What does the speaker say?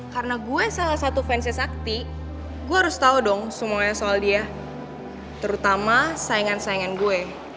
karena gue salah satu fansnya sakti gue harus tau dong semuanya soal dia terutama saingan saingan gue